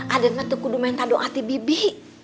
aden ngetukudu minta doa di bibi